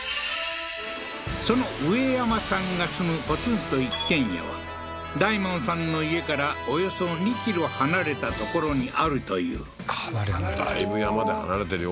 そのウエヤマさんが住むポツンと一軒家は大門さんの家からおよそ２ｋｍ離れた所にあるというかなり離れてるだいぶ山で離れてるよ